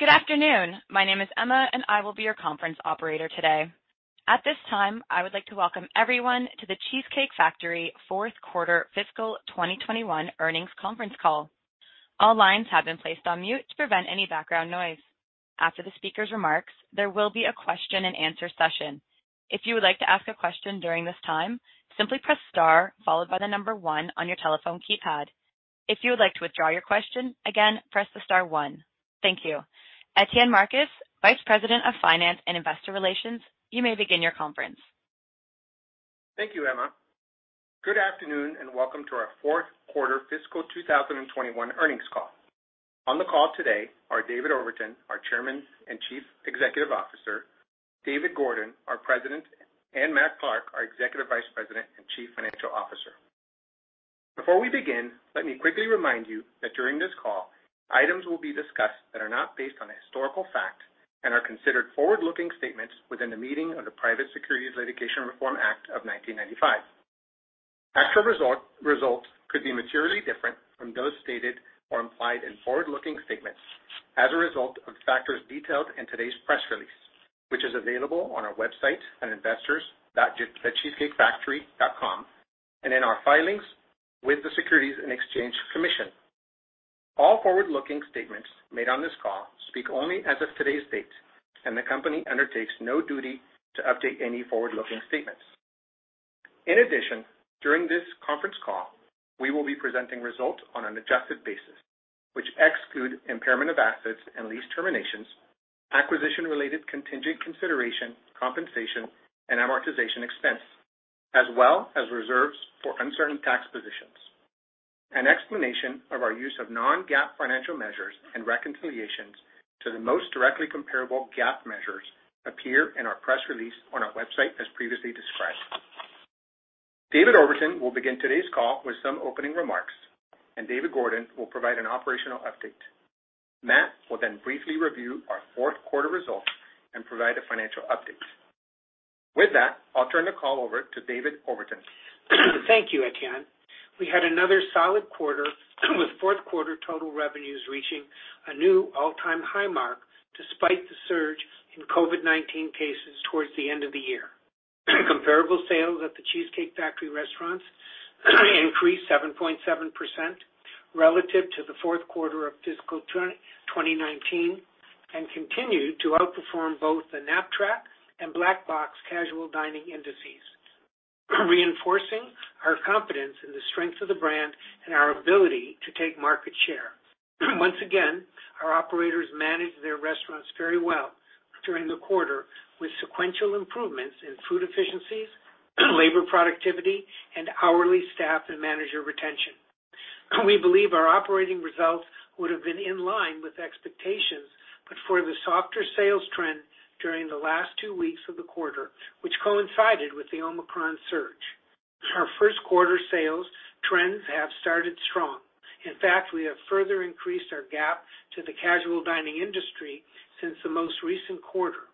Good afternoon. My name is Emma, and I will be your conference operator today. At this time, I would like to welcome everyone to The Cheesecake Factory fourth quarter fiscal 2021 earnings conference call. All lines have been placed on mute to prevent any background noise. After the speaker's remarks, there will be a question-and-answer session. If you would like to ask a question during this time, simply press star followed by the number one on your telephone keypad. If you would like to withdraw your question, again, press the star one. Thank you. Etienne Marcus, Vice President of Finance and Investor Relations, you may begin your conference. Thank you, Emma. Good afternoon, and welcome to our fourth quarter fiscal 2021 earnings call. On the call today are David Overton, our Chairman and Chief Executive Officer, David Gordon, our President, and Matthew Clark, our Executive Vice President and Chief Financial Officer. Before we begin, let me quickly remind you that during this call, items will be discussed that are not based on historical fact and are considered forward-looking statements within the meaning of the Private Securities Litigation Reform Act of 1995. Actual results could be materially different from those stated or implied in forward-looking statements as a result of factors detailed in today's press release, which is available on our website at investors.thecheesecakefactory.com and in our filings with the Securities and Exchange Commission. All forward-looking statements made on this call speak only as of today's date, and the company undertakes no duty to update any forward-looking statements. In addition, during this conference call, we will be presenting results on an adjusted basis, which exclude impairment of assets and lease terminations, acquisition-related contingent consideration, compensation, and amortization expense, as well as reserves for uncertain tax positions. An explanation of our use of non-GAAP financial measures and reconciliations to the most directly comparable GAAP measures appear in our press release on our website as previously described. David Overton will begin today's call with some opening remarks, and David Gordon will provide an operational update. Matt will then briefly review our fourth quarter results and provide a financial update. With that, I'll turn the call over to David Overton. Thank you, Etienne. We had another solid quarter, with fourth quarter total revenues reaching a new all-time high mark despite the surge in COVID-19 cases towards the end of the year. Comparable sales at The Cheesecake Factory restaurants increased 7.7% relative to the fourth quarter of fiscal 2019, and continued to outperform both the KNAPP-TRACK and Black Box casual dining indices, reinforcing our confidence in the strength of the brand and our ability to take market share. Once again, our operators managed their restaurants very well during the quarter, with sequential improvements in food efficiencies, labor productivity, and hourly staff and manager retention. We believe our operating results would have been in line with expectations, but for the softer sales trend during the last two weeks of the quarter, which coincided with the Omicron surge. Our first quarter sales trends have started strong. In fact, we have further increased our gap to the casual dining industry since the most recent quarter.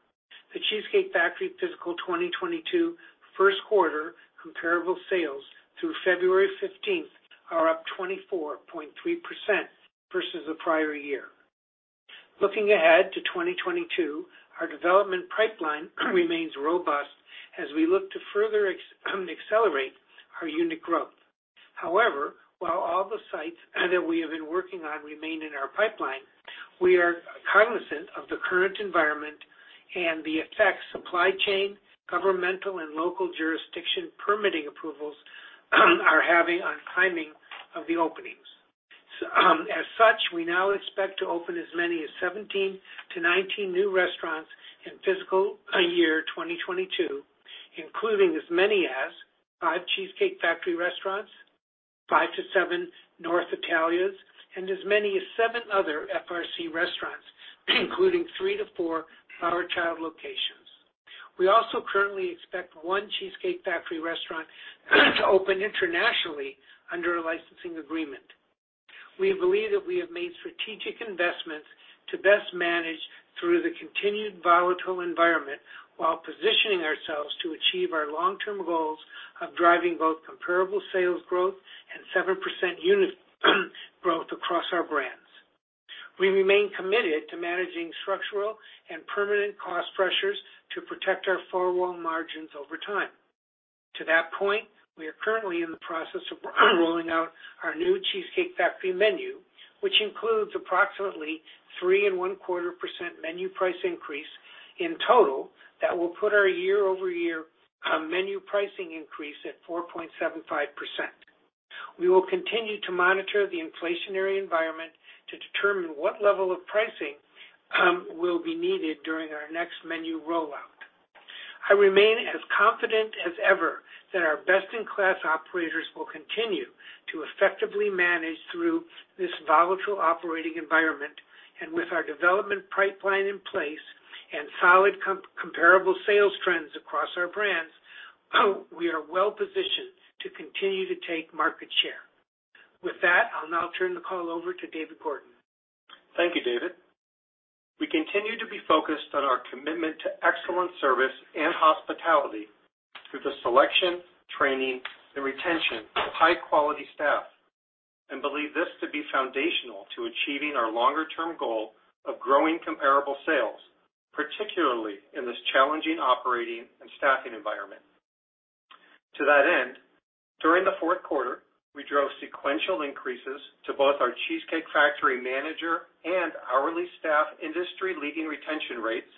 The Cheesecake Factory fiscal 2022 first quarter comparable sales through February 15 are up 24.3% versus the prior year. Looking ahead to 2022, our development pipeline remains robust as we look to further accelerate our unit growth. However, while all the sites that we have been working on remain in our pipeline, we are cognizant of the current environment and the effects supply chain, governmental, and local jurisdiction permitting approvals are having on timing of the openings. As such, we now expect to open as many as 17-19 new restaurants in fiscal year 2022, including as many as 5 Cheesecake Factory restaurants, five to seven North Italia's, and as many as seven other FRC restaurants, including three to four Flower Child locations. We also currently expect one Cheesecake Factory restaurant to open internationally under a licensing agreement. We believe that we have made strategic investments to best manage through the continued volatile environment while positioning ourselves to achieve our long-term goals of driving both comparable sales growth and 7% unit growth across our brands. We remain committed to managing structural and permanent cost pressures to protect our four wall margins over time. To that point, we are currently in the process of rolling out our new Cheesecake Factory menu, which includes approximately 3.25% menu price increase in total that will put our year-over-year menu pricing increase at 4.75%. We will continue to monitor the inflationary environment to determine what level of pricing will be needed during our next menu rollout. I remain as confident as ever that our best-in-class operators will continue to effectively manage through this volatile operating environment. With our development pipeline in place and solid comparable sales trends across our brands, we are well-positioned to continue to take market share. With that, I'll now turn the call over to David Gordon. Thank you, David. We continue to be focused on our commitment to excellent service and hospitality through the selection, training, and retention of high-quality staff, and believe this to be foundational to achieving our longer-term goal of growing comparable sales, particularly in this challenging operating and staffing environment. To that end, during the fourth quarter, we drove sequential increases to both our Cheesecake Factory manager and hourly staff industry-leading retention rates,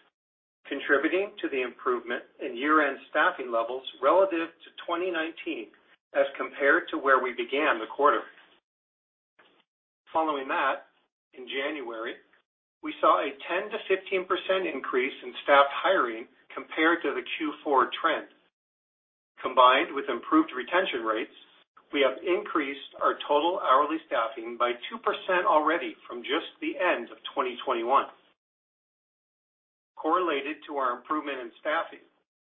contributing to the improvement in year-end staffing levels relative to 2019 as compared to where we began the quarter. Following that, in January, we saw a 10%-15% increase in staff hiring compared to the Q4 trend. Combined with improved retention rates, we have increased our total hourly staffing by 2% already from just the end of 2021. Correlated to our improvement in staffing,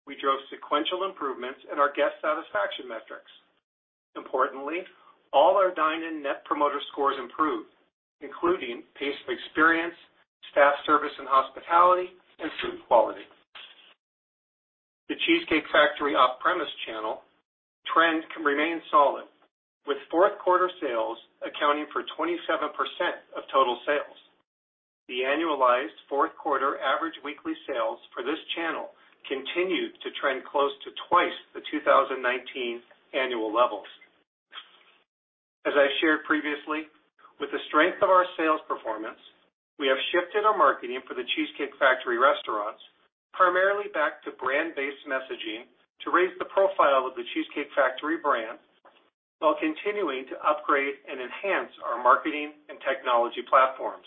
we drove sequential improvements in our guest satisfaction metrics. Importantly, all our dine-in Net Promoter Scores improved, including pace of experience, staff service and hospitality, and food quality. The Cheesecake Factory off-premise channel trend can remain solid, with fourth quarter sales accounting for 27% of total sales. The annualized fourth quarter average weekly sales for this channel continued to trend close to twice the 2019 annual levels. As I shared previously, with the strength of our sales performance, we have shifted our marketing for The Cheesecake Factory restaurants primarily back to brand-based messaging to raise the profile of The Cheesecake Factory brand while continuing to upgrade and enhance our marketing and technology platforms.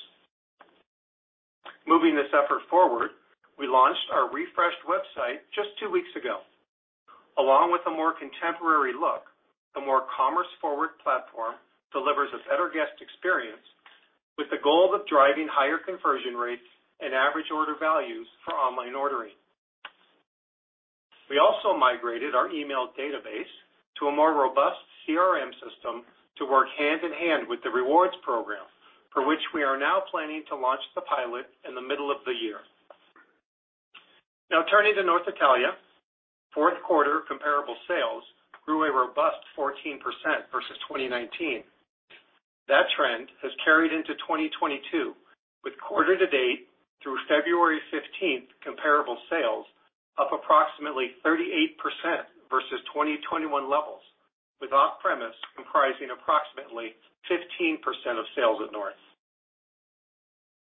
Moving this effort forward, we launched our refreshed website just 2 weeks ago. Along with a more contemporary look, the more commerce-forward platform delivers a better guest experience with the goal of driving higher conversion rates and average order values for online ordering. We also migrated our email database to a more robust CRM system to work hand in hand with the rewards program, for which we are now planning to launch the pilot in the middle of the year. Now, turning to North Italia, fourth quarter comparable sales grew a robust 14% versus 2019. That trend has carried into 2022, with quarter to date through February 15 comparable sales up approximately 38% versus 2021 levels, with off-premise comprising approximately 15% of sales at North.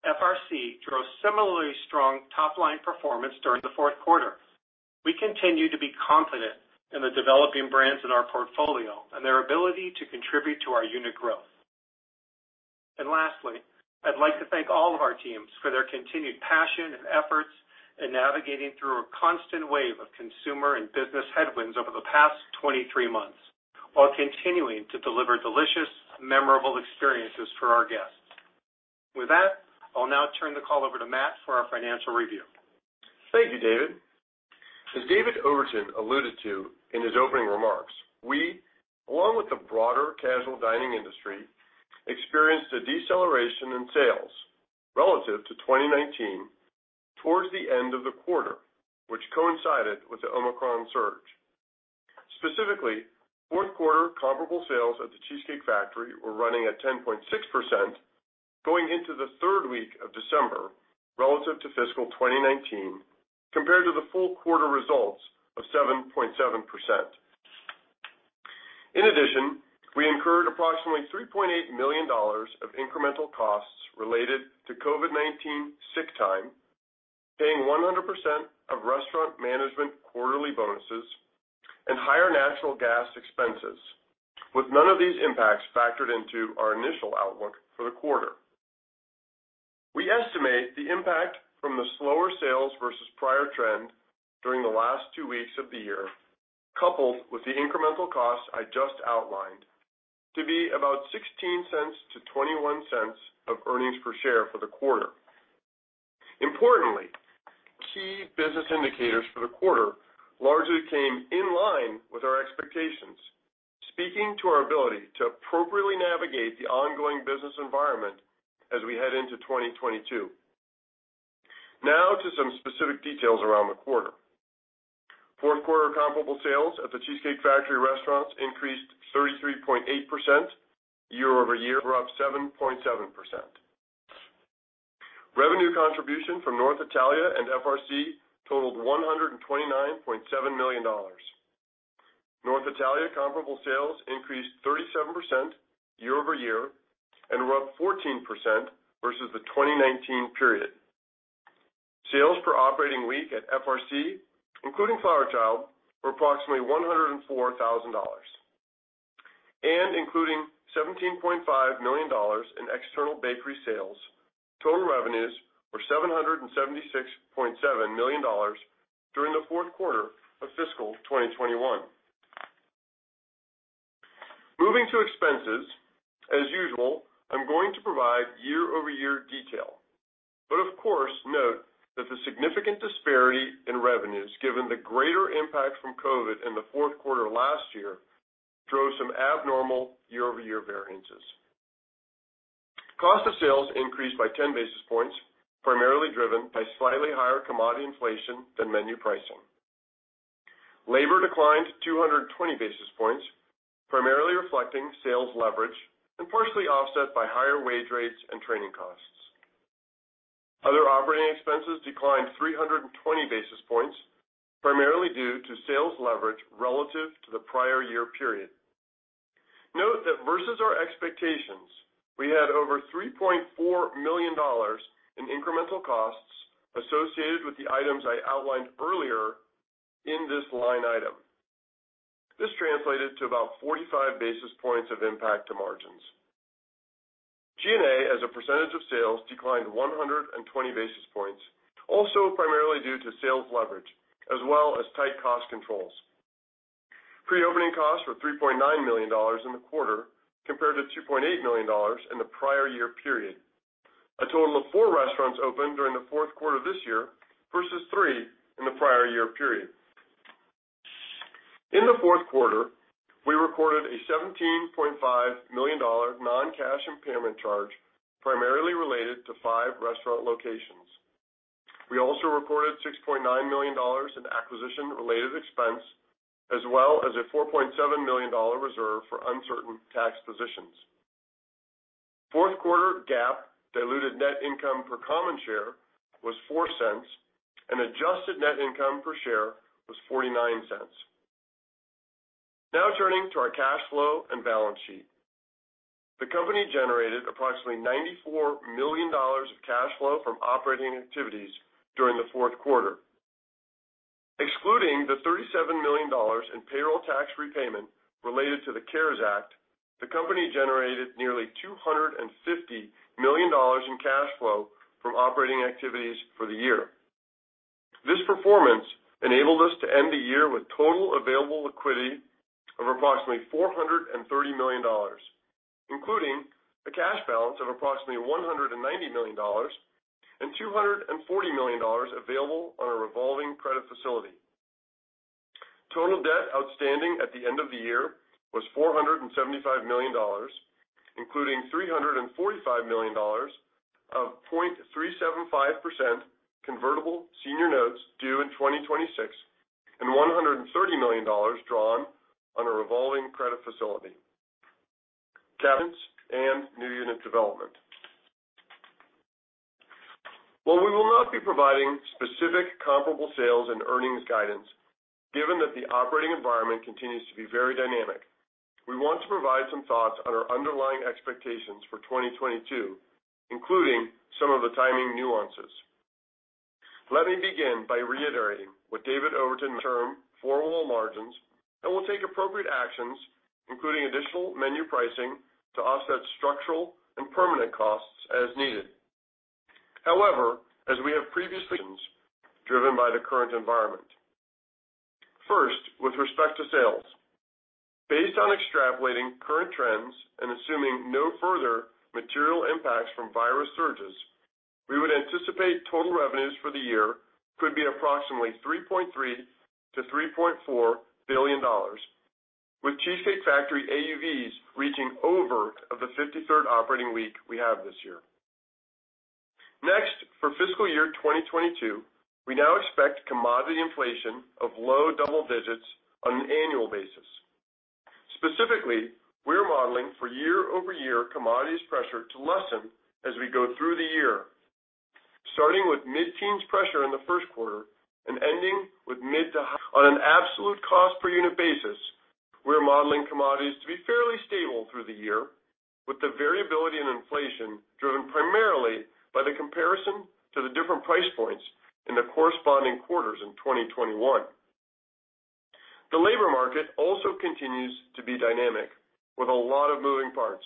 FRC drove similarly strong top-line performance during the fourth quarter. We continue to be confident in the developing brands in our portfolio and their ability to contribute to our unit growth. Lastly, I'd like to thank all of our teams for their continued passion and efforts in navigating through a constant wave of consumer and business headwinds over the past 23 months while continuing to deliver delicious, memorable experiences for our guests. With that, I'll now turn the call over to Matt for our financial review. Thank you, David. As David Overton alluded to in his opening remarks, we, along with the broader casual dining industry, experienced a deceleration in sales relative to 2019 towards the end of the quarter, which coincided with the Omicron surge. Specifically, fourth quarter comparable sales at The Cheesecake Factory were running at 10.6% going into the third week of December relative to fiscal 2019, compared to the full quarter results of 7.7%. In addition, we incurred approximately $3.8 million of incremental costs related to COVID-19 sick time, paying 100% of restaurant management quarterly bonuses and higher natural gas expenses, with none of these impacts factored into our initial outlook for the quarter. We estimate the impact from the slower sales versus prior trend during the last two weeks of the year, coupled with the incremental costs I just outlined, to be about $0.16-$0.21 of earnings per share for the quarter. Importantly, key business indicators for the quarter largely came in line with our expectations, speaking to our ability to appropriately navigate the ongoing business environment as we head into 2022. Now to some specific details around the quarter. Fourth quarter comparable sales at The Cheesecake Factory restaurants increased 33.8% year-over-year, were up 7.7%. Revenue contribution from North Italia and FRC totaled $129.7 million. North Italia comparable sales increased 37% year-over-year and were up 14% versus the 2019 period. Sales per operating week at FRC, including Flower Child, were approximately $104,000. Including $17.5 million in external bakery sales, total revenues were $776.7 million during the fourth quarter of fiscal 2021. Moving to expenses, as usual, I'm going to provide year-over-year detail, but of course, note that the significant disparity in revenues, given the greater impact from COVID in the fourth quarter last year drove some abnormal year-over-year variances. Cost of sales increased by 10 basis points, primarily driven by slightly higher commodity inflation than menu pricing. Labor declined 220 basis points, primarily reflecting sales leverage and partially offset by higher wage rates and training costs. Other operating expenses declined 320 basis points, primarily due to sales leverage relative to the prior year period. Note that versus our expectations, we had over $3.4 million in incremental costs associated with the items I outlined earlier in this line item. This translated to about 45 basis points of impact to margins. G&A as a percentage of sales declined 120 basis points, also primarily due to sales leverage as well as tight cost controls. Pre-opening costs were $3.9 million in the quarter compared to $2.8 million in the prior year period. A total of 4 restaurants opened during the fourth quarter this year versus 3 in the prior year period. In the fourth quarter, we recorded a $17.5 million non-cash impairment charge, primarily related to 5 restaurant locations. We also reported $6.9 million in acquisition-related expense as well as a $4.7 million reserve for uncertain tax positions. Fourth quarter GAAP diluted net income per common share was $0.04, and adjusted net income per share was $0.49. Now turning to our cash flow and balance sheet. The company generated approximately $94 million of cash flow from operating activities during the fourth quarter. Excluding the $37 million in payroll tax repayment related to the CARES Act, the company generated nearly $250 million in cash flow from operating activities for the year. This performance enabled us to end the year with total available liquidity of approximately $430 million, including a cash balance of approximately $190 million and $240 million available on a revolving credit facility. Total debt outstanding at the end of the year was $475 million, including $345 million of 0.375% convertible senior notes due in 2026 and $130 million drawn on a revolving credit facility. Guidance and new unit development. While we will not be providing specific comparable sales and earnings guidance, given that the operating environment continues to be very dynamic, we want to provide some thoughts on our underlying expectations for 2022, including some of the timing nuances. Let me begin by reiterating what David Overton termed four-wall margins and will take appropriate actions, including additional menu pricing to offset structural and permanent costs as needed. However, as we have previously been driven by the current environment. First, with respect to sales. Based on extrapolating current trends and assuming no further material impacts from virus surges, we would anticipate total revenues for the year could be approximately $3.3 billion-$3.4 billion, with Cheesecake Factory AUVs reaching over $1,700 for the 53rd operating week we have this year. Next, for fiscal year 2022, we now expect commodity inflation of low double digits on an annual basis. Specifically, we're modeling for year-over-year commodities pressure to lessen as we go through the year, starting with mid-teens pressure in the first quarter and ending with mid- to high-single-digit pressure. On an absolute cost per unit basis, we're modeling commodities to be fairly stable through the year with the variability in inflation driven primarily by the comparison to the different price points in the corresponding quarters in 2021. The labor market also continues to be dynamic with a lot of moving parts.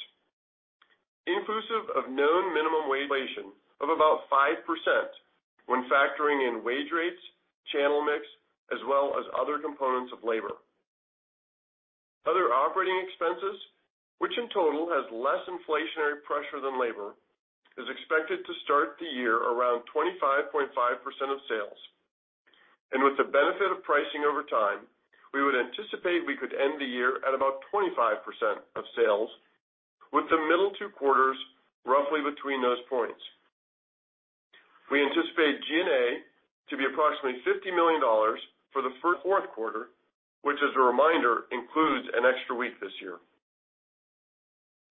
Inclusive of known minimum wage inflation of about 5% when factoring in wage rates, channel mix, as well as other components of labor. Other operating expenses, which in total has less inflationary pressure than labor, is expected to start the year around 25.5% of sales. With the benefit of pricing over time, we would anticipate we could end the year at about 25% of sales, with the middle two quarters roughly between those points. We anticipate G&A to be approximately $50 million for the fourth quarter, which as a reminder, includes an extra week this year.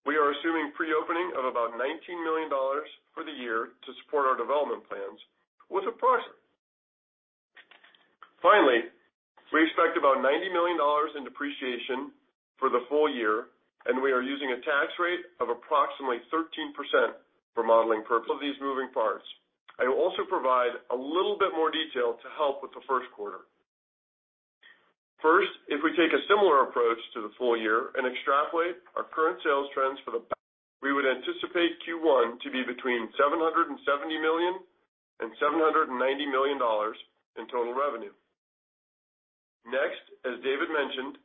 We are assuming pre-opening of about $19 million for the year to support our development plans with approximately. Finally, we expect about $90 million in depreciation for the full year, and we are using a tax rate of approximately 13% for modeling purposes of these moving parts. I will also provide a little bit more detail to help with the first quarter. First, if we take a similar approach to the full year and extrapolate our current sales trends for the, we would anticipate Q1 to be between $770 million and $790 million in total revenue. Next, as David mentioned,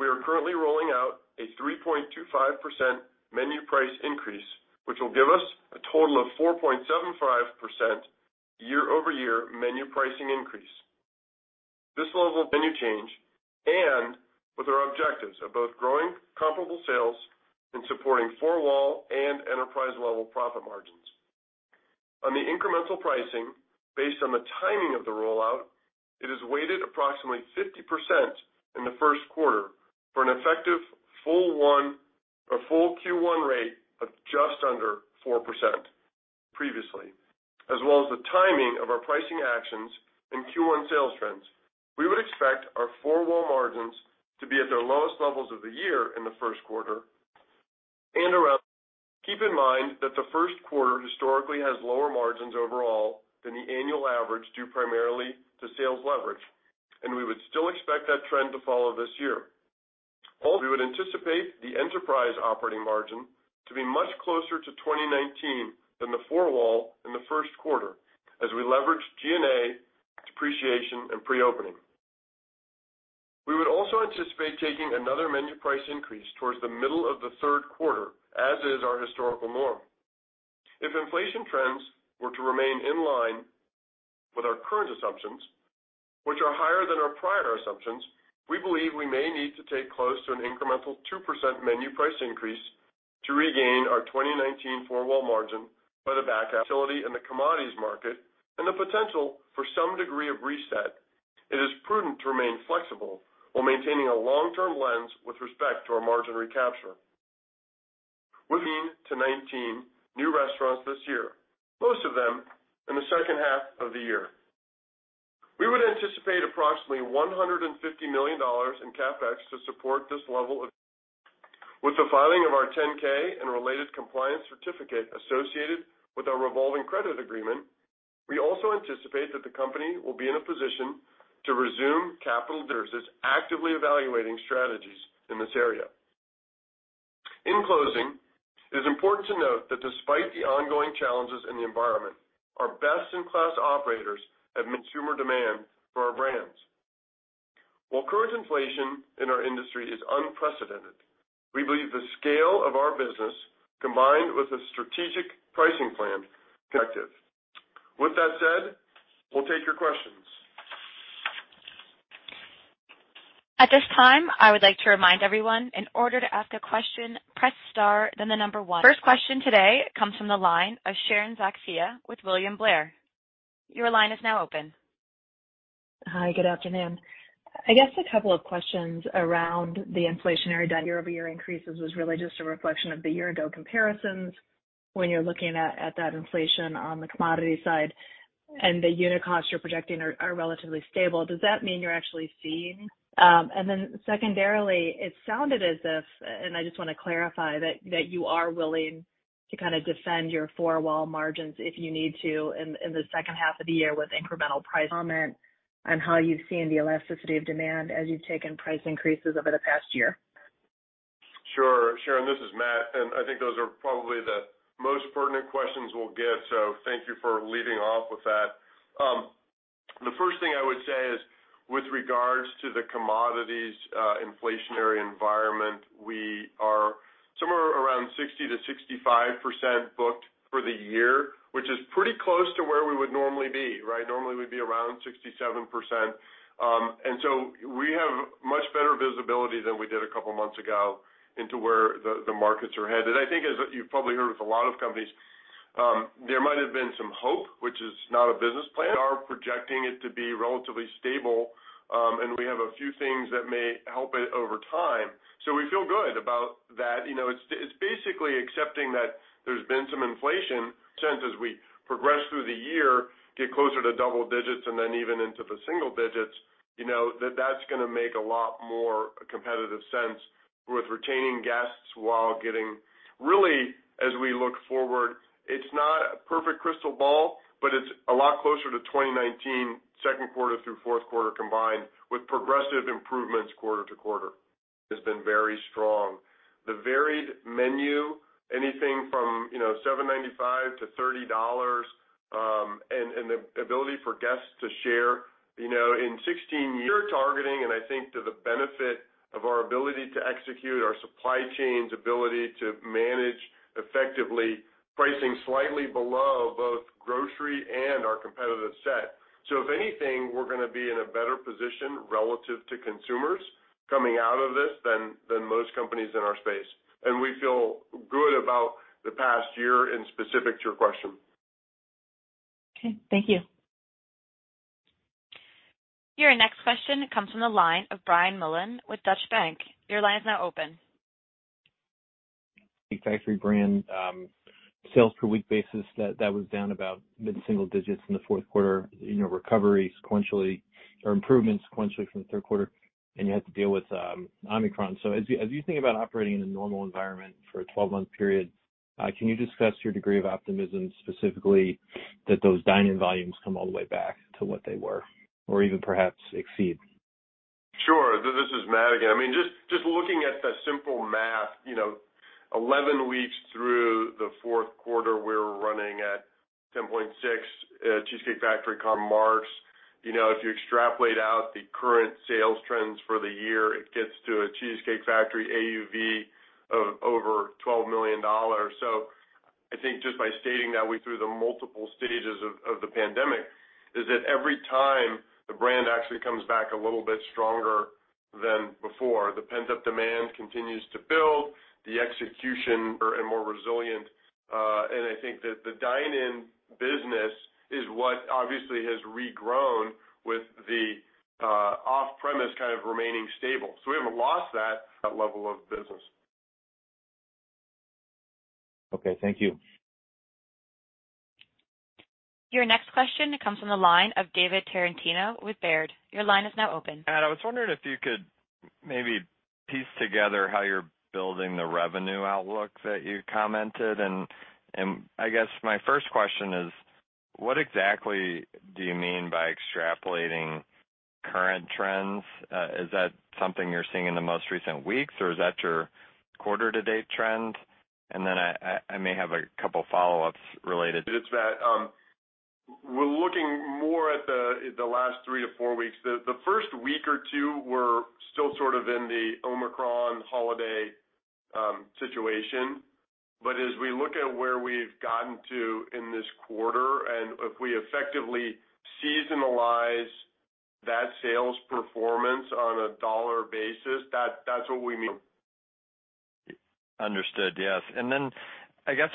we are currently rolling out a 3.25% menu price increase, which will give us a total of 4.75% year-over-year menu pricing increase. This level of menu change and with our objectives of both growing comparable sales and supporting four-wall and enterprise-level profit margins. On the incremental pricing, based on the timing of the rollout, it is weighted approximately 50% in the first quarter for an effective full-year or full Q1 rate of just under 4% previously. As well as the timing of our pricing actions and Q1 sales trends, we would expect our four-wall margins to be at their lowest levels of the year in the first quarter. Keep in mind that the first quarter historically has lower margins overall than the annual average, due primarily to sales leverage, and we would still expect that trend to follow this year. Also, we would anticipate the enterprise operating margin to be much closer to 2019 than the four-wall in the first quarter as we leverage G&A depreciation and pre-opening. We would also anticipate taking another menu price increase towards the middle of the third quarter, as is our historical norm. If inflation trends were to remain in line with our current assumptions, which are higher than our prior assumptions, we believe we may need to take close to an incremental 2% menu price increase to regain our 2019 four-wall margin by the back half. Agility in the commodities market and the potential for some degree of reset, it is prudent to remain flexible while maintaining a long-term lens with respect to our margin recapture. We're looking to 19 new restaurants this year, most of them in the second half of the year. We would anticipate approximately $150 million in CapEx to support this level of. With the filing of our 10-K and related compliance certificate associated with our revolving credit facility, we also anticipate that the company will be in a position to resume capital returns. We are actively evaluating strategies in this area. In closing, it is important to note that despite the ongoing challenges in the environment, our best-in-class operators have met consumer demand for our brands. While current inflation in our industry is unprecedented, we believe the scale of our business, combined with a strategic pricing plan, is effective. With that said, we'll take your questions. At this time, I would like to remind everyone, in order to ask a question, press star, then the number one. First question today comes from the line of Sharon Zackfia with William Blair. Your line is now open. Hi. Good afternoon. I guess a couple of questions around the inflationary year-over-year increases was really just a reflection of the year ago comparisons. When you're looking at that inflation on the commodity side and the unit costs you're projecting are relatively stable, does that mean you're actually seeing? Then secondarily, it sounded as if, and I just want to clarify that you are willing to kind of defend your four wall margins if you need to in the second half of the year with incremental price. Comment on how you've seen the elasticity of demand as you've taken price increases over the past year. Sure. Sharon, this is Matt, and I think those are probably the most pertinent questions we'll get, so thank you for leading off with that. The first thing I would say is with regards to the commodities, inflationary environment, we are somewhere around 60%-65% booked for the year, which is pretty close to where we would normally be, right? Normally we'd be around 67%. We have much better visibility than we did a couple months ago into where the markets are headed. I think as you've probably heard with a lot of companies, there might have been some hope, which is not a business plan. We are projecting it to be relatively stable, and we have a few things that may help it over time. We feel good about that. You know, it's basically accepting that there's been some inflation. Since as we progress through the year, get closer to double digits and then even into the single digits, you know that's gonna make a lot more competitive sense with retaining guests while getting really, as we look forward, it's not a perfect crystal ball, but it's a lot closer to 2019 second quarter through fourth quarter combined with progressive improvements quarter to quarter. Has been very strong. The varied menu, anything from, you know, $7.95-$30, and the ability for guests to share. You know, in 16 years. We're targeting, and I think to the benefit of our ability to execute, our supply chain's ability to manage effectively pricing slightly below both grocery and our competitive set. If anything, we're going to be in a better position relative to consumers coming out of this than most companies in our space. We feel good about the past year and specific to your question. Okay. Thank you. Your next question comes from the line of Brian Mullan with Deutsche Bank. Your line is now open. The Cheesecake Factory brand sales per week basis, that was down about mid-single digits in the fourth quarter. You know, recovery sequentially or improvement sequentially from the third quarter, and you had to deal with Omicron. As you think about operating in a normal environment for a twelve-month period, can you discuss your degree of optimism specifically that those dine-in volumes come all the way back to what they were or even perhaps exceed? Sure. This is Matt again. I mean, just looking at the simple math. You know, 11 weeks through the fourth quarter, we're running at 10.6% Cheesecake Factory comps. You know, if you extrapolate out the current sales trends for the year, it gets to a Cheesecake Factory AUV of over $12 million. I think just by stating that we've been through the multiple stages of the pandemic, every time the brand actually comes back a little bit stronger than before, the pent-up demand continues to build, and the execution is more resilient. I think that the dine-in business is what obviously has regrown with the off-premise kind of remaining stable. We haven't lost that level of business. Okay, thank you. Your next question comes from the line of David Tarantino with Baird. Your line is now open. I was wondering if you could maybe piece together how you're building the revenue outlook that you commented. I guess my first question is, what exactly do you mean by extrapolating current trends? Is that something you're seeing in the most recent weeks, or is that your quarter to date trend? I may have a couple of follow-ups related. It's that we're looking more at the last three to four weeks. The first week or two, we're still sort of in the Omicron holiday situation. As we look at where we've gotten to in this quarter, and if we effectively seasonalize that sales performance on a dollar basis, that's what we mean. Understood. Yes. Then I guess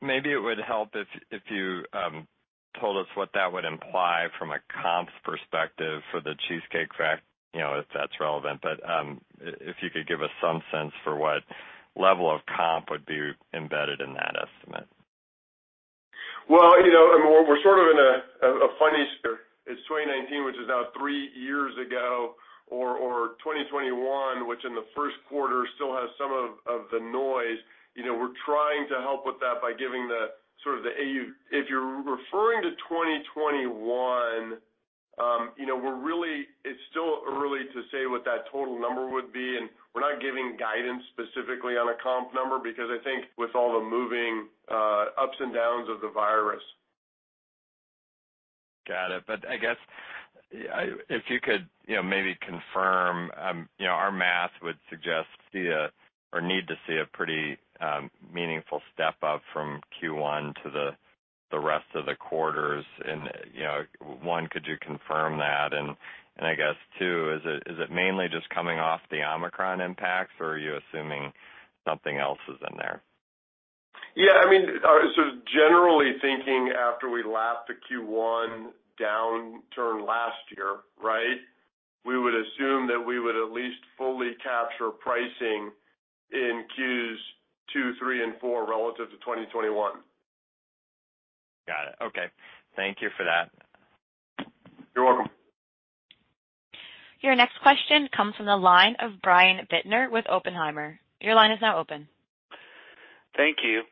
maybe it would help if you told us what that would imply from a comp perspective for the Cheesecake Factory, you know, if that's relevant, but if you could give us some sense for what level of comp would be embedded in that estimate. Well, you know, we're sort of in a funny space. It's 2019, which is now three years ago, or 2021, which in the first quarter still has some of the noise. You know, we're trying to help with that by giving sort of the AUV. If you're referring to 2021, you know, we're really. It's still early to say what that total number would be, and we're not giving guidance specifically on a comp number because I think with all the moving ups and downs of the virus. Got it. I guess if you could, you know, maybe confirm, you know, our math would suggest we'd see a pretty meaningful step up from Q1 to the rest of the quarters and, you know, one, could you confirm that? and I guess two, is it mainly just coming off the Omicron impacts, or are you assuming something else is in there? Yeah, I mean, generally thinking after we lap the Q1 downturn last year, right, we would assume that we would at least fully capture pricing in Q2, 3, and 4 relative to 2021. Got it. Okay. Thank you for that. You're welcome. Your next question comes from the line of Brian Bittner with Oppenheimer. Your line is now open. Thank you.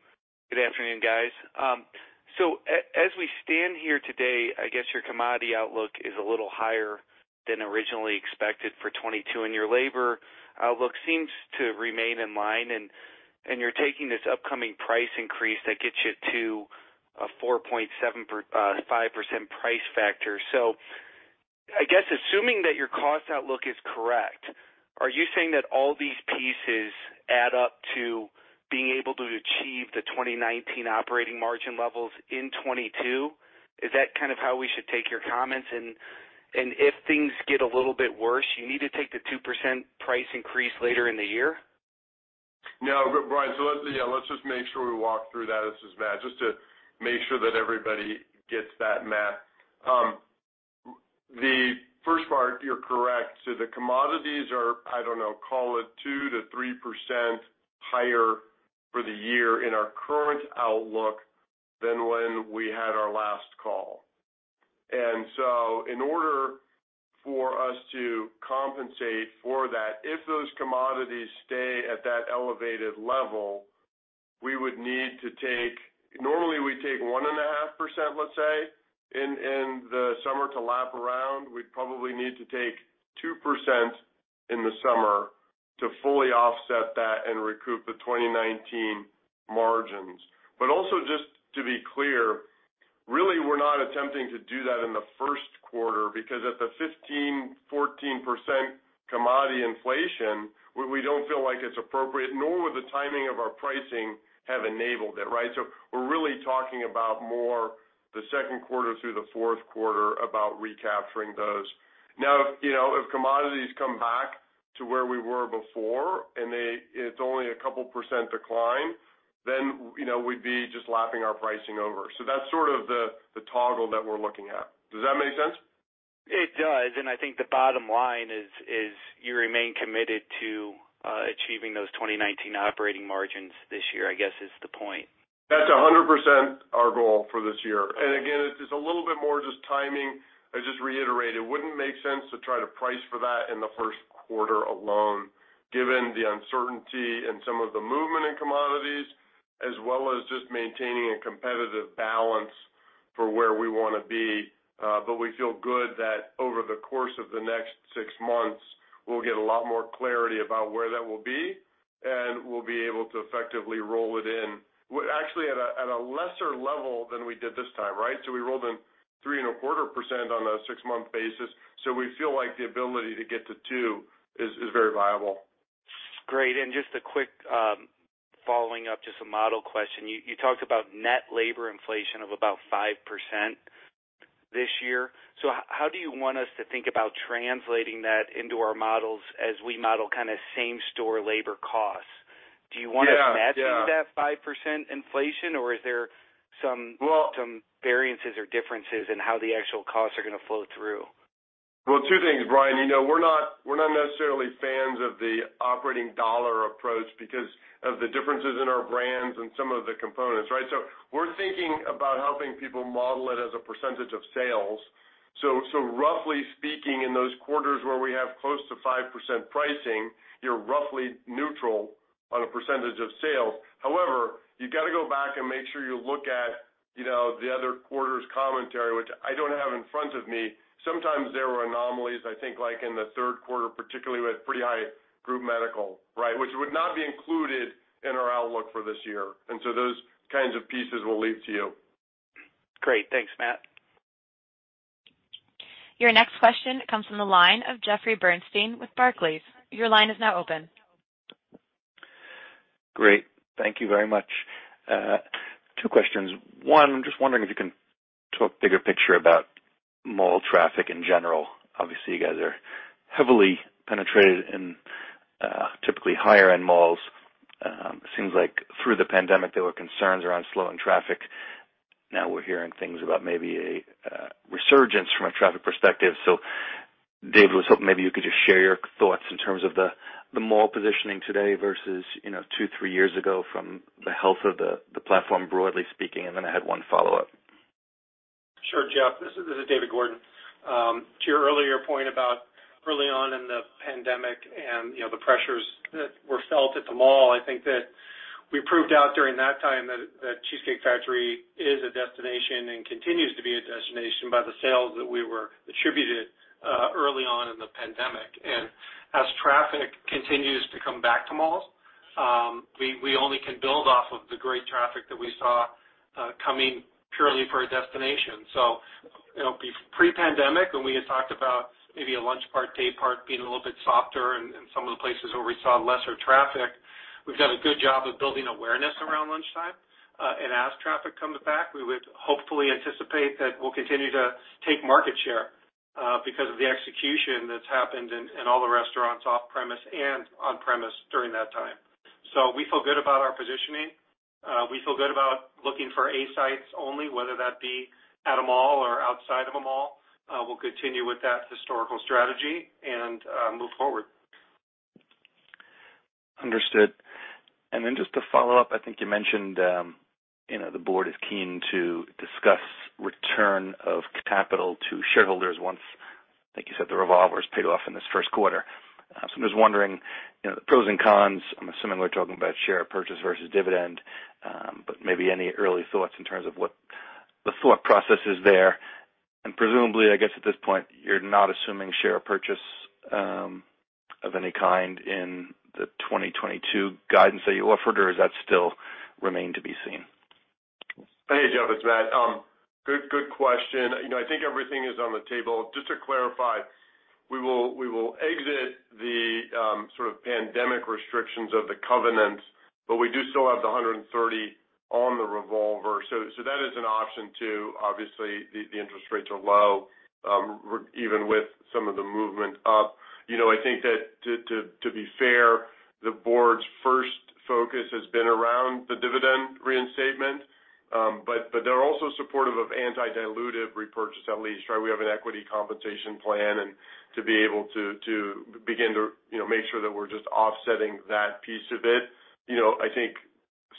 Good afternoon, guys. As we stand here today, I guess your commodity outlook is a little higher than originally expected for 2022, and your labor outlook seems to remain in line, and you're taking this upcoming price increase that gets you to a 4.75% price factor. I guess assuming that your cost outlook is correct, are you saying that all these pieces add up to being able to achieve the 2019 operating margin levels in 2022? Is that kind of how we should take your comments? If things get a little bit worse, you need to take the 2% price increase later in the year? No. Brian, let's just make sure we walk through that. This is Matt. Just to make sure that everybody gets that math. The first part, you're correct. The commodities are, I don't know, call it 2%-3% higher for the year in our current outlook than when we had our last call. In order for us to compensate for that, if those commodities stay at that elevated level, we would need to take. Normally, we take 1.5%, let's say, in the summer to lap around. We'd probably need to take 2% in the summer to fully offset that and recoup the 2019 margins. Also just to be clear, really, we're not attempting to do that in the first quarter because at the 15-14% commodity inflation, we don't feel like it's appropriate, nor would the timing of our pricing have enabled it, right? We're really talking about more the second quarter through the fourth quarter about recapturing those. Now, you know, if commodities come back to where we were before and it's only a couple% decline, then, you know, we'd be just lapping our pricing over. That's sort of the toggle that we're looking at. Does that make sense? It does. I think the bottom line is you remain committed to achieving those 2019 operating margins this year, I guess, is the point. That's 100% our goal for this year. Again, it's just a little bit more just timing. I just reiterate, it wouldn't make sense to try to price for that in the first quarter alone, given the uncertainty and some of the movement in commodities, as well as just maintaining a competitive balance for where we wanna be. We feel good that over the course of the next six months, we'll get a lot more clarity about where that will be. We'll be able to effectively roll it in. Actually at a lesser level than we did this time, right? We rolled in 3.25% on a six-month basis. We feel like the ability to get to 2% is very viable. Great. Just a quick following up, just a model question. You talked about net labor inflation of about 5% this year. How do you want us to think about translating that into our models as we model kind of same-store labor costs? Yeah, yeah. Do you want us matching that 5% inflation, or is there some- Well- some variances or differences in how the actual costs are going to flow through? Well, two things, Brian. You know, we're not necessarily fans of the operating dollar approach because of the differences in our brands and some of the components, right? We're thinking about helping people model it as a percentage of sales. Roughly speaking, in those quarters where we have close to 5% pricing, you're roughly neutral on a percentage of sales. However, you got to go back and make sure you look at, you know, the other quarters commentary, which I don't have in front of me. Sometimes there were anomalies, I think like in the third quarter particularly with pretty high group medical, right? Which would not be included in our outlook for this year. Those kinds of pieces we'll leave to you. Great. Thanks, Matt. Your next question comes from the line of Jeffrey Bernstein with Barclays. Your line is now open. Great. Thank you very much. Two questions. One, I'm just wondering if you can talk bigger picture about mall traffic in general. Obviously, you guys are heavily penetrated in, typically higher end malls. Seems like through the pandemic, there were concerns around slowing traffic. Now we're hearing things about maybe a resurgence from a traffic perspective. Dave, I was hoping maybe you could just share your thoughts in terms of the mall positioning today versus, you know, two, three years ago from the health of the platform, broadly speaking, and then I had one follow-up. Sure, Jeff. This is David Gordon. To your earlier point about early on in the pandemic and, you know, the pressures that were felt at the mall, I think that we proved out during that time that The Cheesecake Factory is a destination and continues to be a destination by the sales that we were attributed early on in the pandemic. As traffic continues to come back to malls, we only can build off of the great traffic that we saw coming purely for a destination. You know, pre-pandemic when we had talked about maybe a lunch part, day part being a little bit softer and some of the places where we saw lesser traffic, we've done a good job of building awareness around lunchtime. As traffic comes back, we would hopefully anticipate that we'll continue to take market share, because of the execution that's happened in all the restaurants off-premise and on-premise during that time. We feel good about our positioning. We feel good about looking for A sites only, whether that be at a mall or outside of a mall. We'll continue with that historical strategy and move forward. Understood. Just to follow up, I think you mentioned, you know, the board is keen to discuss return of capital to shareholders once, like you said, the revolver is paid off in this first quarter. I'm just wondering, you know, the pros and cons, I'm assuming we're talking about share purchase versus dividend, but maybe any early thoughts in terms of what the thought process is there. Presumably, I guess at this point, you're not assuming share purchase, of any kind in the 2022 guidance that you offered, or does that still remain to be seen? Hey, Jeff, it's Matt. Good question. You know, I think everything is on the table. Just to clarify, we will exit the sort of pandemic restrictions of the covenants, but we do still have the $130 on the revolver. So that is an option too. Obviously, the interest rates are low, even with some of the movement up. You know, I think that to be fair, the board's first focus has been around the dividend reinstatement, but they're also supportive of anti-dilutive repurchase at least, right? We have an equity compensation plan and to be able to begin to, you know, make sure that we're just offsetting that piece of it. You know, I think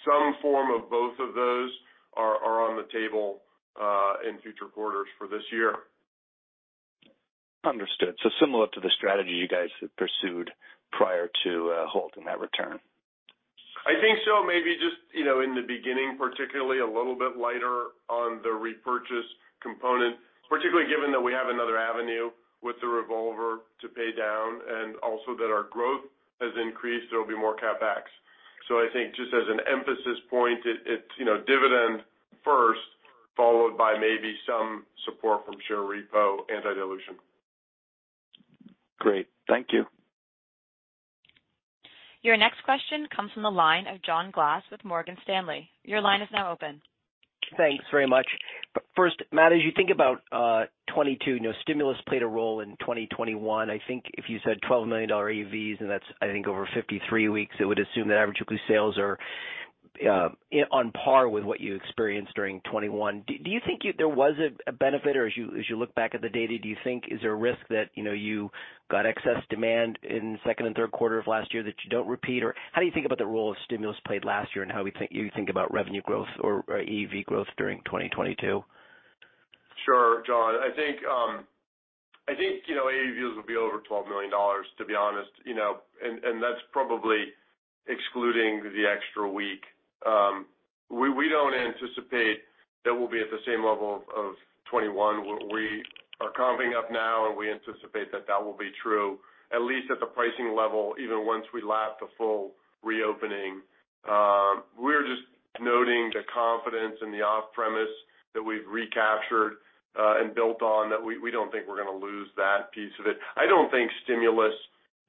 some form of both of those are on the table in future quarters for this year. Understood. Similar to the strategy you guys have pursued prior to, halting that return. I think so. Maybe just, you know, in the beginning, particularly a little bit lighter on the repurchase component, particularly given that we have another avenue with the revolver to pay down and also that our growth has increased, there will be more CapEx. I think just as an emphasis point, it's you know, dividend first, followed by maybe some support from share repo anti-dilution. Great. Thank you. Your next question comes from the line of John Glass with Morgan Stanley. Your line is now open. Thanks very much. First, Matt, as you think about 2022, you know, stimulus played a role in 2021. I think if you said $12 million AUVs, and that's, I think over 53 weeks, it would assume that average weekly sales are on par with what you experienced during 2021. Do you think there was a benefit or as you look back at the data, do you think is there a risk that, you know, you got excess demand in second and third quarter of last year that you don't repeat? Or how do you think about the role of stimulus played last year and how you think about revenue growth or AUV growth during 2022? Sure, John. I think you know AUVs will be over $12 million, to be honest, you know, and that's probably excluding the extra week. We don't anticipate that we'll be at the same level of 2021. We are coming up now, and we anticipate that that will be true, at least at the pricing level, even once we lap the full reopening. We're just noting the confidence in the off-premise that we've recaptured and built on that we don't think we're gonna lose that piece of it. I don't think stimulus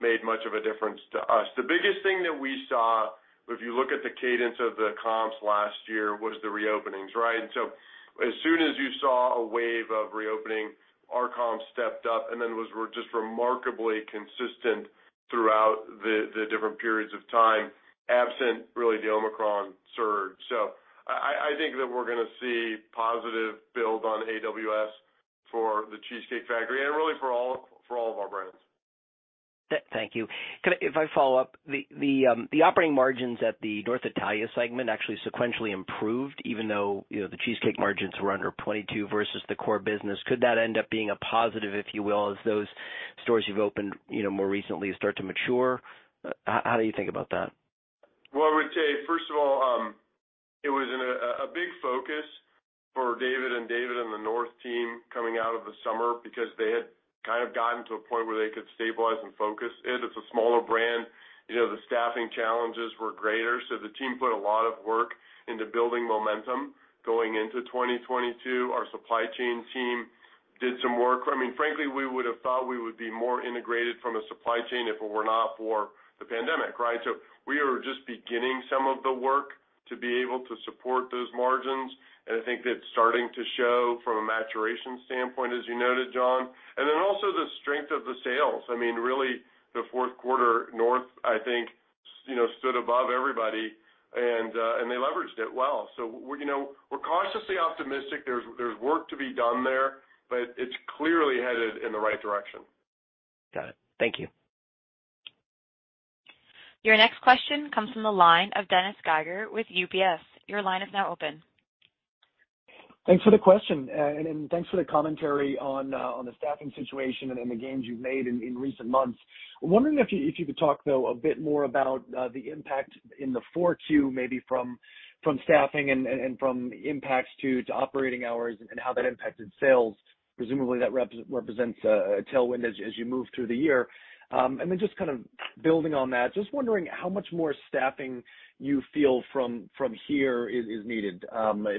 made much of a difference to us. The biggest thing that we saw, if you look at the cadence of the comps last year, was the reopenings, right? As soon as you saw a wave of reopening, our comps stepped up and then was really just remarkably consistent throughout the different periods of time, absent really the Omicron surge. I think that we're gonna see positive build on AUVs for The Cheesecake Factory and really for all of our brands. Thank you. Could I follow up, the operating margins at the North Italia segment actually sequentially improved even though, you know, The Cheesecake margins were under 22% versus the core business. Could that end up being a positive, if you will, as those stores you've opened, you know, more recently start to mature? How do you think about that? Well, I would say, first of all, it was a big focus for David and David and the North Italia team coming out of the summer because they had kind of gotten to a point where they could stabilize and focus it. It's a smaller brand. You know, the staffing challenges were greater, so the team put a lot of work into building momentum going into 2022. Our supply chain team did some work. I mean, frankly, we would have thought we would be more integrated from a supply chain if it were not for the pandemic, right? We are just beginning some of the work to be able to support those margins, and I think that's starting to show from a maturation standpoint, as you noted, John. Then also the strength of the sales. I mean, really the fourth quarter North Italia, I think, you know, stood above everybody and they leveraged it well. We're, you know, cautiously optimistic. There's work to be done there, but it's clearly headed in the right direction. Got it. Thank you. Your next question comes from the line of Dennis Geiger with UBS. Your line is now open. Thanks for the question, and thanks for the commentary on the staffing situation and the gains you've made in recent months. I'm wondering if you could talk, though, a bit more about the impact in the Q2, maybe from staffing and from impacts to operating hours and how that impacted sales. Presumably, that represents a tailwind as you move through the year. Just kind of building on that, just wondering how much more staffing you feel from here is needed.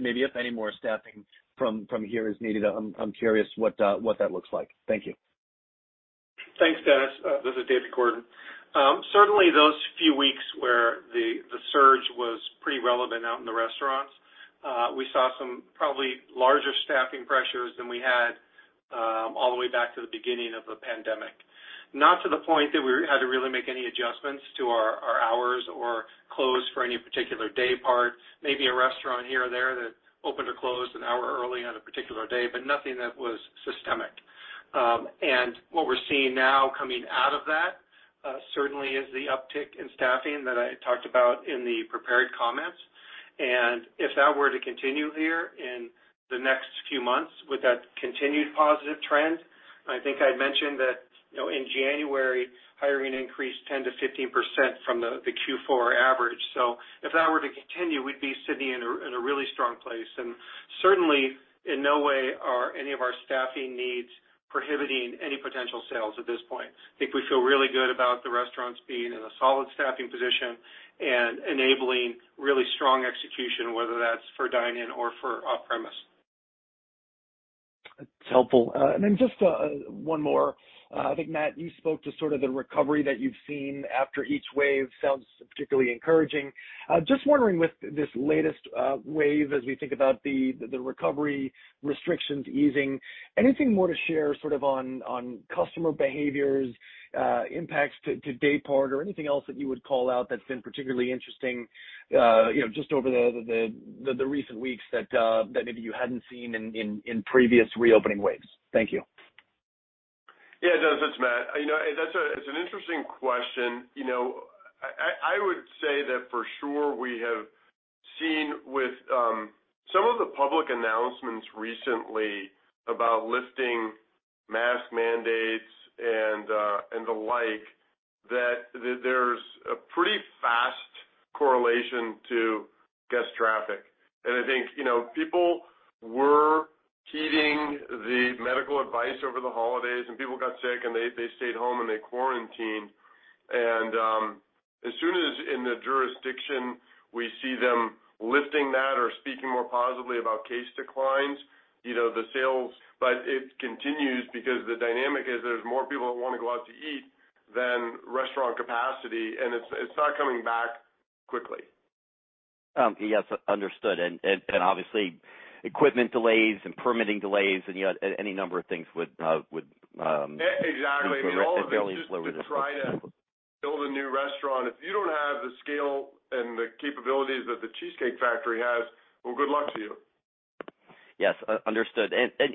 Maybe if any more staffing from here is needed, I'm curious what that looks like. Thank you. Thanks, Dennis. This is David Gordon. Certainly those few weeks where the surge was pretty relevant out in the restaurants, we saw some probably larger staffing pressures than we had all the way back to the beginning of the pandemic. Not to the point that we had to really make any adjustments to our hours or close for any particular day part. Maybe a restaurant here or there that opened or closed an hour early on a particular day, but nothing that was systemic. What we're seeing now coming out of that certainly is the uptick in staffing that I talked about in the prepared comments. If that were to continue here in the next few months with that continued positive trend, I think I mentioned that, you know, in January, hiring increased 10%-15% from the Q4 average. If that were to continue, we'd be sitting in a really strong place. Certainly, in no way are any of our staffing needs prohibiting any potential sales at this point. I think we feel really good about the restaurants being in a solid staffing position and enabling really strong execution, whether that's for dine-in or for off-premise. That's helpful. Just one more. I think, Matt, you spoke to sort of the recovery that you've seen after each wave. Sounds particularly encouraging. Just wondering with this latest wave as we think about the recovery restrictions easing, anything more to share sort of on customer behaviors, impacts to day part or anything else that you would call out that's been particularly interesting, you know, just over the recent weeks that maybe you hadn't seen in previous reopening waves? Thank you. Yeah, Dennis, it's Matt. You know, that's an interesting question. You know, I would say that for sure we have seen with some of the public announcements recently about lifting mask mandates and and the like that there's a pretty fast correlation to guest traffic. I think, you know, people were heeding the medical advice over the holidays, and people got sick, and they stayed home, and they quarantined. As soon as in the jurisdiction, we see them lifting that or speaking more positively about case declines, you know, the sales. It continues because the dynamic is there's more people that wanna go out to eat than restaurant capacity, and it's not coming back quickly. Yes, understood. Obviously equipment delays and permitting delays and, you know, any number of things would Exactly. I mean, all of it. It's fairly slow to try to To try to build a new restaurant. If you don't have the scale and the capabilities that The Cheesecake Factory has, well, good luck to you. Yes, understood.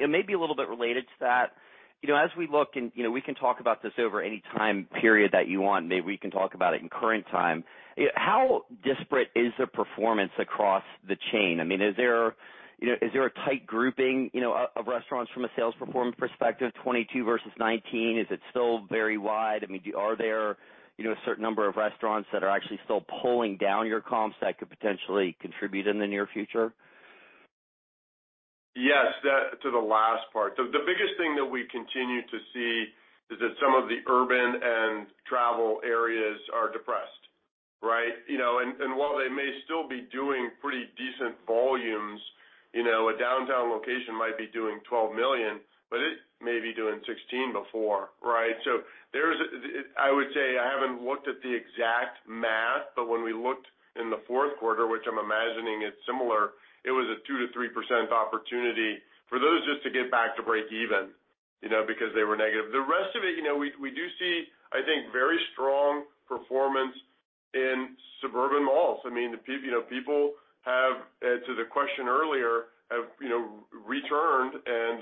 Maybe a little bit related to that, you know, as we look and, you know, we can talk about this over any time period that you want, maybe we can talk about it in current time. How disparate is the performance across the chain? I mean, is there, you know, is there a tight grouping, you know, of restaurants from a sales performance perspective, 2022 versus 2019? Is it still very wide? I mean, are there, you know, a certain number of restaurants that are actually still pulling down your comps that could potentially contribute in the near future? Yes, that to the last part. The biggest thing that we continue to see is that some of the urban and travel areas are depressed, right? You know, while they may still be doing pretty decent volumes, you know, a downtown location might be doing $12 million, but it may be doing $16 million before, right? There's, I would say I haven't looked at the exact math, but when we looked in the fourth quarter, which I'm imagining is similar, it was a 2%-3% opportunity for those just to get back to breakeven, you know, because they were negative. The rest of it, you know, we do see, I think, very strong performance in suburban malls. I mean, people, you know, to the question earlier, have, you know, returned and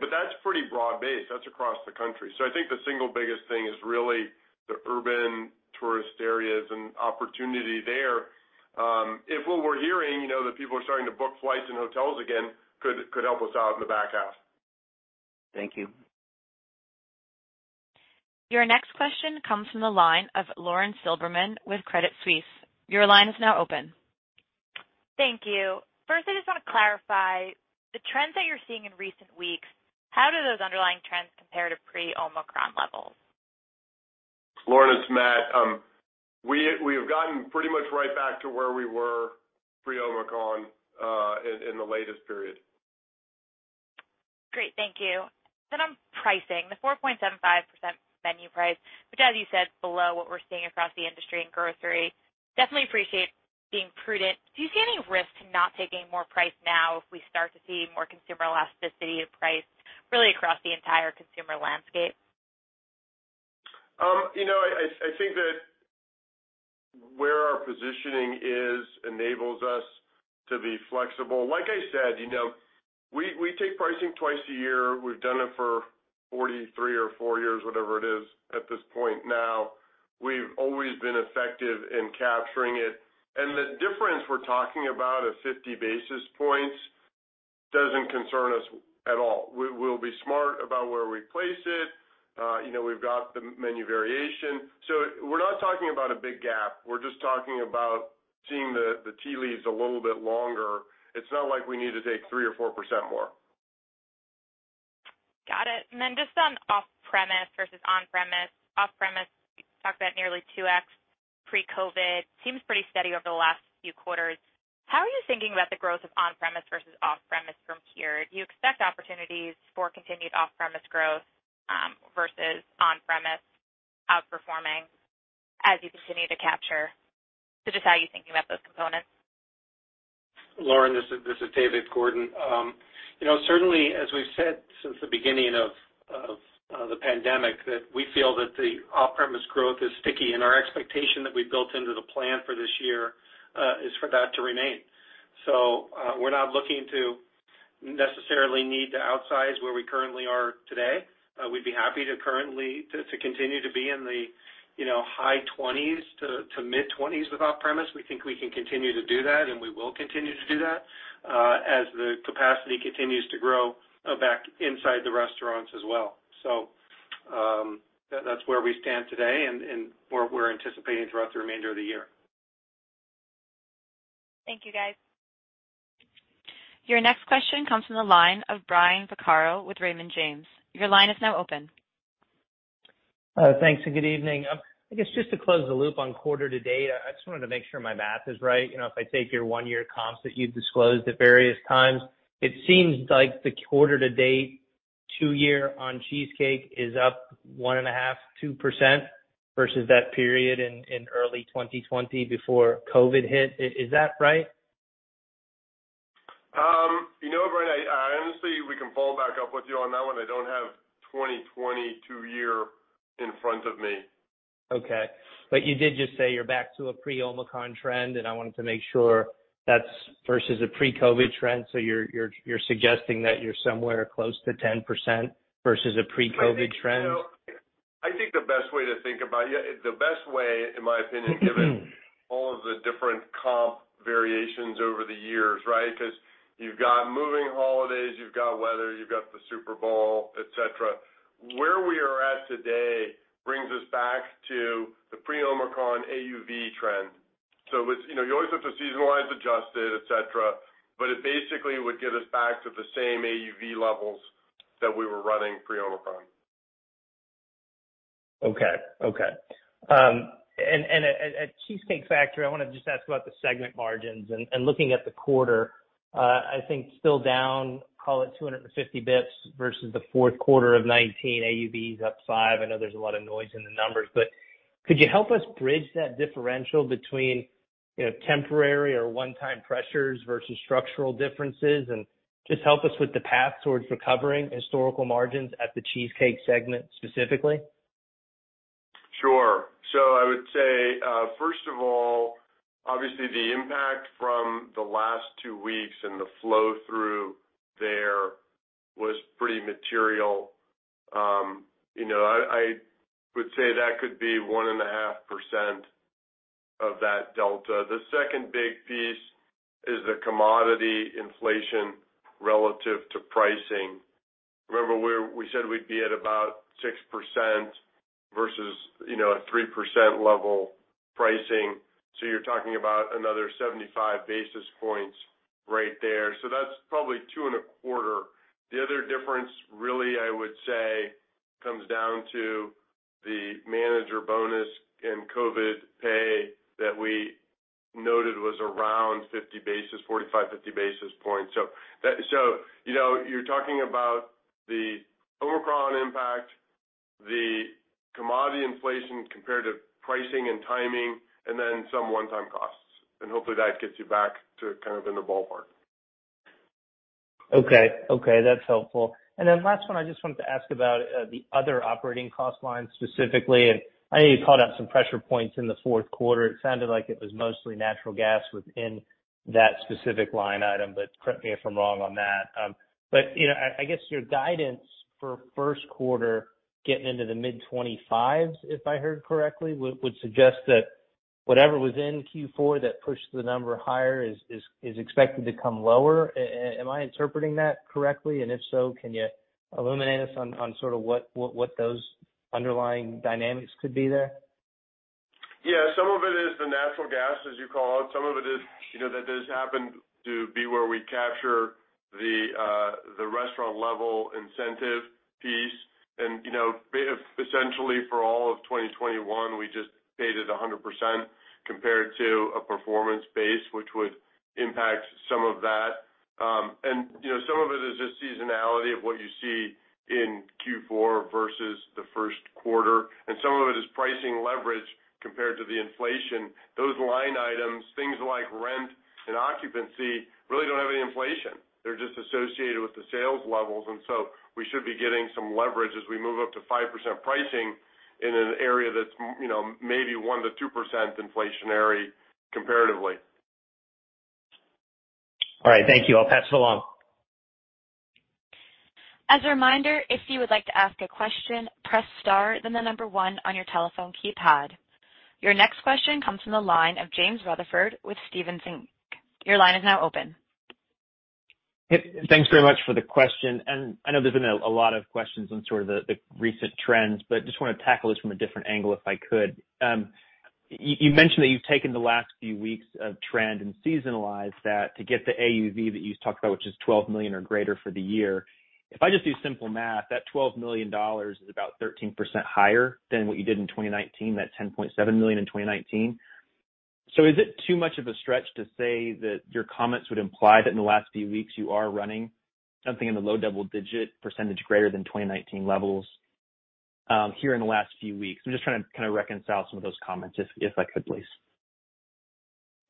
but that's pretty broad-based. That's across the country. I think the single biggest thing is really the urban tourist areas and opportunity there. If what we're hearing, you know, that people are starting to book flights and hotels again could help us out in the back half. Thank you. Your next question comes from the line of Lauren Silberman with Credit Suisse. Your line is now open. Thank you. First, I just want to clarify the trends that you're seeing in recent weeks. How do those underlying trends compare to pre-Omicron levels? Lauren, it's Matt. We have gotten pretty much right back to where we were pre-Omicron, in the latest period. Great. Thank you. On pricing, the 4.75% menu price, which, as you said, is below what we're seeing across the industry in grocery. Definitely appreciate being prudent. Do you see any risk to not taking more price now if we start to see more consumer elasticity of price really across the entire consumer landscape? You know, I think that where our positioning is enables us to be flexible. Like I said, you know, we take pricing twice a year. We've done it for 43 or 44 years, whatever it is at this point now. We've always been effective in capturing it. The difference we're talking about of 50 basis points doesn't concern us at all. We'll be smart about where we place it. You know, we've got the menu variation. We're not talking about a big gap. We're just talking about seeing the tea leaves a little bit longer. It's not like we need to take 3% or 4% more. Got it. Just on off-premise versus on-premise. Off-premise, you talked about nearly 2x pre-COVID. Seems pretty steady over the last few quarters. How are you thinking about the growth of on-premise versus off-premise from here? Do you expect opportunities for continued off-premise growth versus on-premise outperforming as you continue to capture? Just how are you thinking about those components? Lauren, this is David Gordon. You know, certainly, as we've said since the beginning of the pandemic, that we feel that the off-premise growth is sticky, and our expectation that we built into the plan for this year is for that to remain. We're not looking to necessarily need to outsize where we currently are today. We'd be happy to currently continue to be in the, you know, high 20s to mid-20s with off-premise. We think we can continue to do that, and we will continue to do that, as the capacity continues to grow back inside the restaurants as well. That's where we stand today and where we're anticipating throughout the remainder of the year. Thank you, guys. Your next question comes from the line of Brian Vaccaro with Raymond James. Your line is now open. Thanks and good evening. I guess just to close the loop on quarter to date, I just wanted to make sure my math is right. You know, if I take your one-year comps that you've disclosed at various times, it seems like the quarter to date, two-year on Cheesecake is up 1.5%-2% versus that period in early 2020 before COVID hit. Is that right? You know, Brian, I honestly, we can follow back up with you on that one. I don't have 2022 year in front of me. Okay. You did just say you're back to a pre-Omicron trend, and I wanted to make sure that's versus a pre-COVID trend. You're suggesting that you're somewhere close to 10% versus a pre-COVID trend? I think the best way to think about it, in my opinion, given all of the different comps variations over the years, right? Because you've got moving holidays, you've got weather, you've got the Super Bowl, et cetera. Where we are at today brings us back to the pre-Omicron AUV trend. It's, you know, you always have to seasonalize, adjust it, et cetera, but it basically would get us back to the same AUV levels that we were running pre-Omicron. At The Cheesecake Factory, I want to just ask about the segment margins and looking at the quarter. I think still down, call it 250 basis points versus the fourth quarter of 2019. AUV is up 5%. I know there's a lot of noise in the numbers, but could you help us bridge that differential between, you know, temporary or one-time pressures versus structural differences? Just help us with the path towards recovering historical margins at the Cheesecake Factory segment, specifically. Sure. I would say, first of all, obviously the impact from the last two weeks and the flow through there was pretty material. You know, I would say that could be 1.5% of that delta. The second big piece is the commodity inflation relative to pricing. Remember where we said we'd be at about 6% versus, you know, a 3% level pricing. You're talking about another 75 basis points right there. That's probably 2.25. The other difference, really, I would say, comes down to the manager bonus and COVID pay that we noted was around 45, 50 basis points. You know, you're talking about the Omicron impact, the commodity inflation compared to pricing and timing, and then some one-time costs, and hopefully that gets you back to kind of in the ballpark. Okay, that's helpful. Last one, I just wanted to ask about the other operating cost line specifically. I know you called out some pressure points in the fourth quarter. It sounded like it was mostly natural gas within that specific line item, but correct me if I'm wrong on that. You know, I guess your guidance for first quarter getting into the mid-25s, if I heard correctly, would suggest that whatever was in Q4 that pushed the number higher is expected to come lower. Am I interpreting that correctly? If so, can you illuminate us on sort of what those underlying dynamics could be there? Yeah, some of it is the natural gas, as you call it. Some of it is, you know, that does happen to be where we capture the restaurant level incentive piece. You know, essentially for all of 2021, we just paid it 100% compared to a performance base, which would impact some of that. You know, some of it is just seasonality of what you see in Q4 versus the first quarter, and some of it is pricing leverage compared to the inflation. Those line items, things like rent and occupancy really don't have any inflation. They're just associated with the sales levels, and so we should be getting some leverage as we move up to 5% pricing in an area that's, you know, maybe 1%-2% inflationary comparatively. All right. Thank you. I'll pass it along. As a reminder, if you would like to ask a question, press star then the number one on your telephone keypad. Your next question comes from the line of James Rutherford with Stephens Inc. Your line is now open. Thanks very much for the question. I know there's been a lot of questions on sort of the recent trends, but just wanna tackle this from a different angle, if I could. You mentioned that you've taken the last few weeks of trend and seasonalized that to get the AUV that you talked about, which is $12 million or greater for the year. If I just do simple math, that $12 million is about 13% higher than what you did in 2019, that $10.7 million in 2019. Is it too much of a stretch to say that your comments would imply that in the last few weeks you are running something in the low double digit percentage greater than 2019 levels, here in the last few weeks? I'm just trying to kinda reconcile some of those comments if I could please.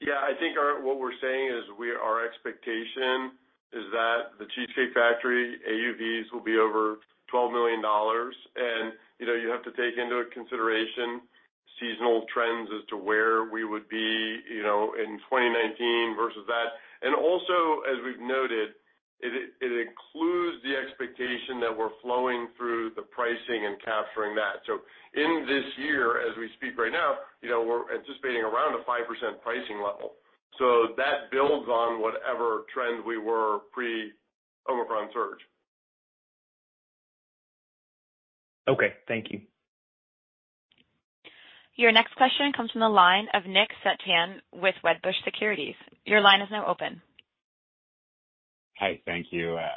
Yeah. I think what we're saying is our expectation is that The Cheesecake Factory AUVs will be over $12 million. You know, you have to take into consideration seasonal trends as to where we would be, you know, in 2019 versus that. Also as we've noted, it includes the expectation that we're flowing through the pricing and capturing that. In this year, as we speak right now, you know, we're anticipating around a 5% pricing level. That builds on whatever trend we were pre-Omicron surge. Okay, thank you. Your next question comes from the line of Nick Setyan with Wedbush Securities. Your line is now open. Hi. Thank you. I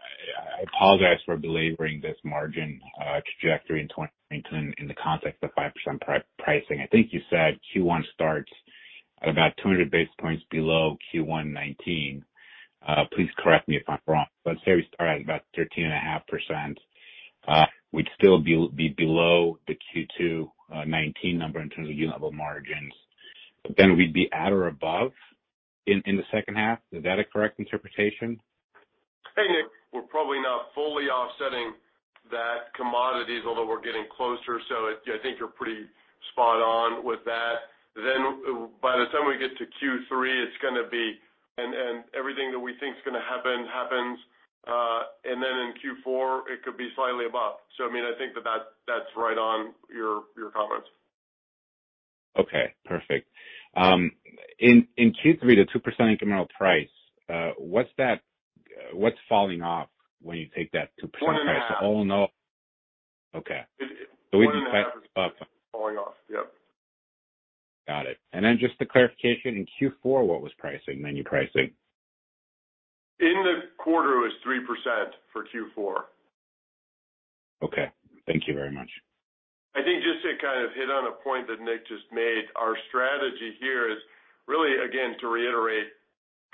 apologize for belaboring this margin trajectory in 2019 in the context of 5% pricing. I think you said Q1 starts at about 200 basis points below Q1 2019. Please correct me if I'm wrong, but say we start at about 13.5%, we'd still be below the Q2 2019 number in terms of unit level margins. We'd be at or above in the second half. Is that a correct interpretation? Hey, Nick. We're probably not fully offsetting that commodities, although we're getting closer. I think you're pretty spot on with that. By the time we get to Q3, it's gonna be and everything that we think is gonna happen happens. In Q4 it could be slightly above. I mean, I think that's right on your comments. Okay. Perfect. In Q3, the 2% incremental price, what's falling off when you take that 2% price? 1.5. Oh, no. Okay. 1.5 is falling off. Yep. Got it. Just a clarification. In Q4, what was pricing, menu pricing? In the quarter, it was 3% for Q4. Okay. Thank you very much. I think just to kind of hit on a point that Nick just made, our strategy here is really again, to reiterate,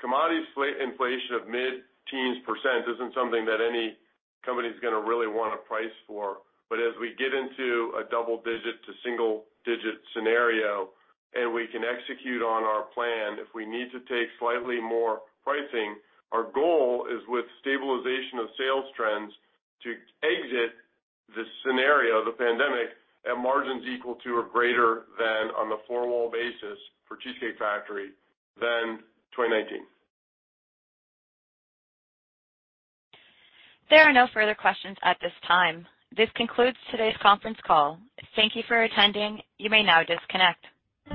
commodity slate inflation of mid-teens% isn't something that any company is gonna really wanna price for. As we get into a double digit to single digit scenario and we can execute on our plan, if we need to take slightly more pricing, our goal is with stabilization of sales trends to exit this scenario, the pandemic, at margins equal to or greater than on the four wall basis for Cheesecake Factory than 2019. There are no further questions at this time. This concludes today's conference call. Thank you for attending. You may now disconnect.